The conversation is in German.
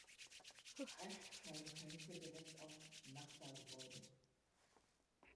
Oft zeigen Fenster direkt auf „Nachbargebäude“.